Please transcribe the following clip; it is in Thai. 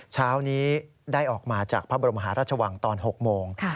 เช้านี้ได้ออกมาจากพระบรมหาราชวังตอน๖โมง